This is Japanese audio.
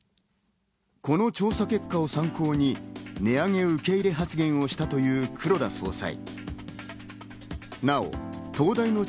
この調査結果を参考に値上げ受け入れ発言をしたという黒田総裁。